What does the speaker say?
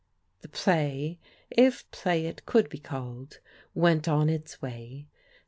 The play, if play it could be called, went on its way.